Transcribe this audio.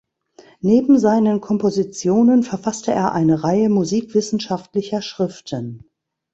Neben seinen Kompositionen verfasste er eine Reihe musikwissenschaftlicher Schriften.